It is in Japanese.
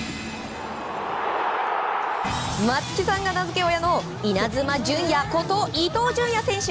松木さんが名付け親のイナズマ純也こと伊東純也選手。